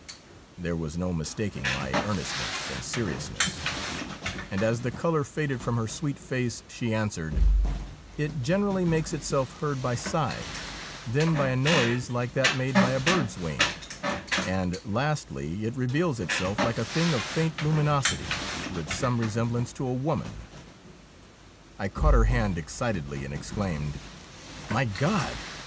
' There was no mistaking my earnestness and seriousness, and as the colour faded from her sweet face she answered :' It generally makes itself heard by sighs, then by a noise like that made by a bird's wing, and, lastly, it reveals itself like a thing of faint luminosity, with some resemblance to a woman.' I caught her hand excitedly and exclaimed :' My God